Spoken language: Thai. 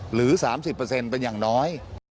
หรือ๓๐เป็นอย่างน้อย